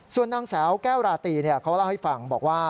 ส่วนนางสาวแก้วราตรีเขาเล่าให้ฟังบอกว่า